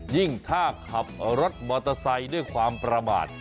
ยิ่งถ้าขับรถมอเตอร์ไซค์ด้วยความประมาท